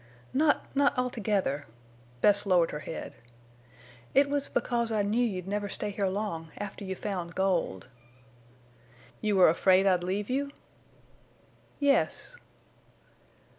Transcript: "Not—not altogether." Bess lowered her head. "It was because I knew you'd never stay here long after you found gold." "You were afraid I'd leave you?" "Yes."